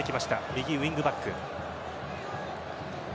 右ウイングバック。